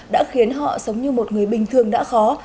đã khiến họ sống như một người bình thường đã khó